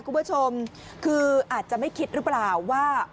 คุณผู้ชมคืออาจจะไม่คิดหรือเปล่าว่า